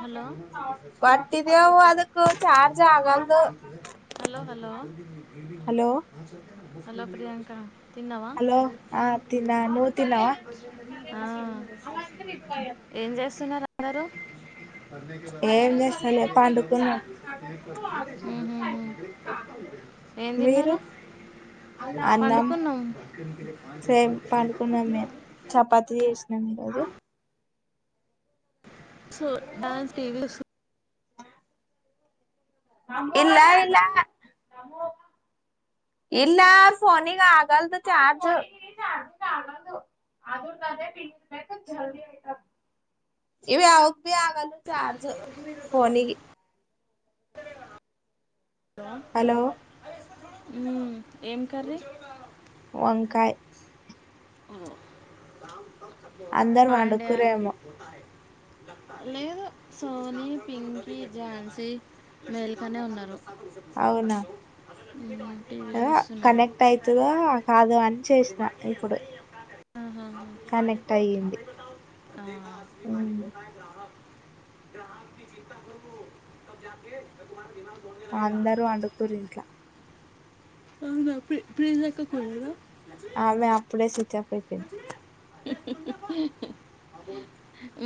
hello వాటిదే వొదు hello hello hello Priyanka తిన్నావా ఆ ఏం చేస్తున్నారు అందరూ ఏం ఉమ్ చేస్తలే పండుకున్నాం హు హు ఏం మీరు తిన్నారు అన్నం పండుకున్నాం same number so dance TV లో వొస్త్ ఇలా ఇలా ఇలా ఫోనింగ్ ఆగల్దు చార్జ్ అది ఉంటదే పీజ్ పెట్టు జల్ది ఉంటాద్ ఇవి అవకు భి ఆగాల్దు చార్జ్ ఫోనికి హలో ఉమ్ ఏం కర్రీ వంకాయ్ అందరు హాయ్ అండి పండుకురేమో లేదు సోనీ పింకి ఝాన్సీ మేల్కొనే ఉన్నారు అవునా ఉ మ్ ఆ కనెక్ట్ అయితదో కాదో అని చేస్నా ఇప్పుడు అ హ కనెక్ట్ అయ్యింది హ ఉమ్, అ గ్రహంకి చింత పురుగు [unintelligible] భగవాన్ విమన్ అందరు అండుకుర్రు ఇంట్లా అవునా ప్రి ప్రిజక్కకి పోలేదా ఆమె అప్పుడే స్విచ్ హాఫ్ అయిపొయింది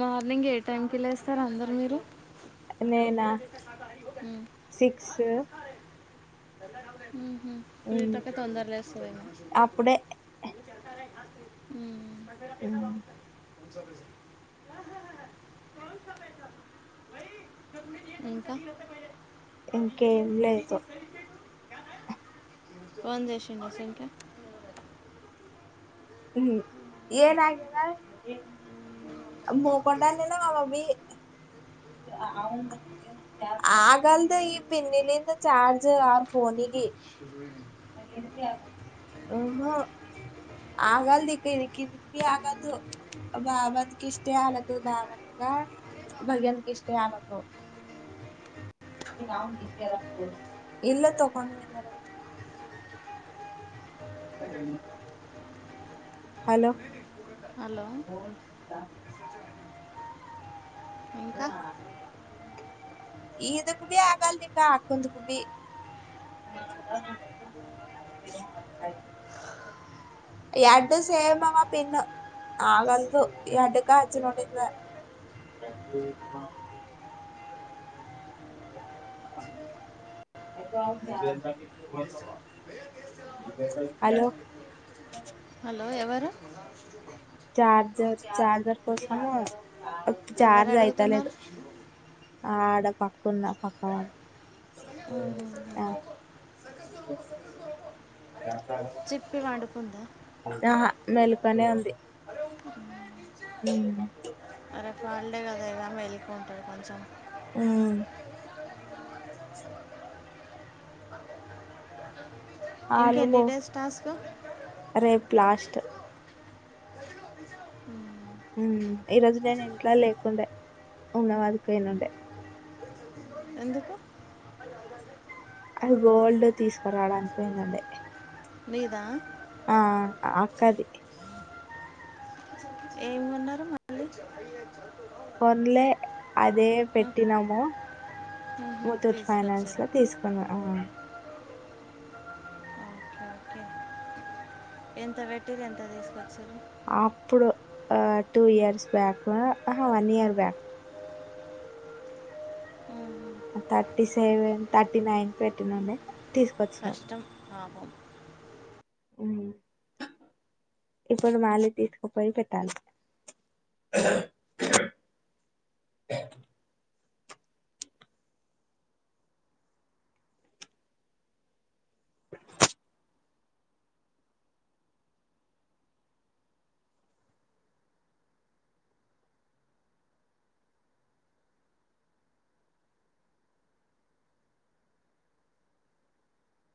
మార్నింగ్ ఏ టైంకి లేస్తారు అందరు మీరు నేనా సిక్సు ఉహు ప్రీతక్క తొందర లేస్తదేమో అప్పుడే ఉమ్ ఉమ్, ఇంకా ఇంకేం లేదు ఫోన్ చేసిండ సుంక ఉ ఏనగదా మొకిందవి అకాల్తో ఈ పింజానీకా ఛాన్స్ ఏ రాదు పోనిగి ఉహు ఆగాల్ దిక్ కిందికి బి ఆగాల్దు బావంతకిస్తే అలాకు బావంతకా భయకిస్తే అలాకు [unintelligible] హలో హలో ఇంకా [unintelligible] ఇదుక్ భి ఆగాల్ దీపా అకుందుకు భి [unintelligible] ఎడ్డు సేమామా పిన్ ఆగంతూ ఈ అడ్డక ఒచ్చు నుడింద హలో హలో ఎవరు చ్ చార్జర్ కోసం ఎవరు చార్జ్ ఒక్ అయితలేద్ అడుగుతున్నారు ఆ ఆడ పక్కను ఉన్న పక్క వాళ్ళ ఉమ్, ఆ చెప్పే పండుకుందా ఆహా మెలకనే ఉంది మ్ హ రేపు హోలీడే కదా ఇగ మెలుకు ఉంటాదీ కొంచెం మ్ ఇంకెన్ని అలుమో డేస్ టాస్క్ రేపు లాస్ట్ ఉమ్, ఉమ్ ఈరోజు నేను ఇంట్లో లేకుండే ఉన్నవరకు ఏనుండే ఎందుకు అది గోల్డ్ తీసుకురాడానికి పోయీనుండే మీదా అ అక్కది ఏం కొన్నారు మళ్ళీ కొన్లే అదే ఉమ్, పెట్టినము ఉహుం, ముత్తూట్ ఫైనాన్స్ తీసుకొచ్చారు లో తీసుకున్న అ ఓకే ఓకే ఎంత వెట్టిరు ఎంత తీసుకోచ్చారు అప్పుడు ఆ టూ ఇయర్స్ బ్యాక్ ఉ ఆహ వన్ ఇయర్ బ్యాక్ ఉమ్, థర్టీ సెవెన్ థర్టీ నైన్ పెట్టినండి కష్టం పాపం ఉమ్ ఇప్పుడు మళ్ళీ తీసుకుపోయి పెట్టాలి